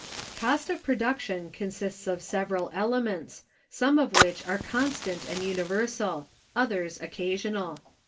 Cost of Production consists of several elements, some of which are constant and universal, others occasional.